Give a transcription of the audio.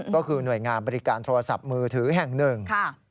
ก็คือหน่วยงานบริการโทรศัพท์มือถือแห่งหนึ่ง